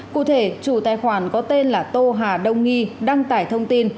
cụ thể chủ tài khoản có tên là tô hà đông nghi đăng tải thông tin